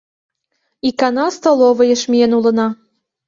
Икана столовыйыш миен улына.